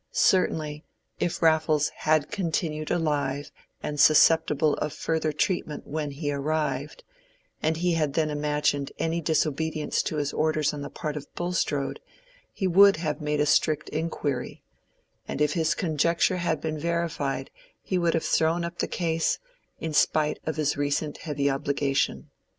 Certainly, if Raffles had continued alive and susceptible of further treatment when he arrived, and he had then imagined any disobedience to his orders on the part of Bulstrode, he would have made a strict inquiry, and if his conjecture had been verified he would have thrown up the case, in spite of his recent heavy obligation.